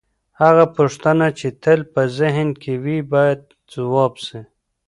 هغه پوښتنه چي تل په ذهن کي وي، بايد ځواب سي.